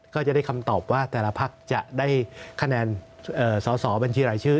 ก็จะได้คำตอบว่าแต่ละภาคจะได้คะแนน